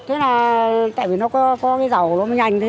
thế là tại vì nó có cái dầu nó mới nhanh thế